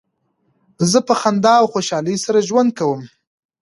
زه په خندا او خوشحالۍ سره ژوند کوم.